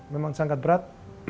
memang sangat berat